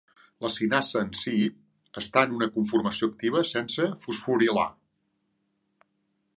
La cinasa en si està en una conformació activa sense fosforilar.